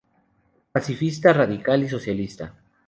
Pacifista radical y socialista.